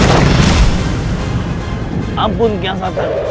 ampun kian satan